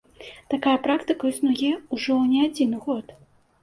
Такая практыка існуе ўжо не адзін год.